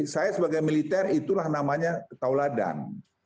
saya sebagai militer itulah namanya tauladan